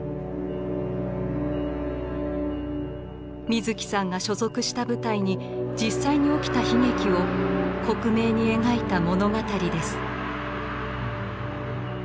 水木さんが所属した部隊に実際に起きた悲劇を克明に描いた物語です。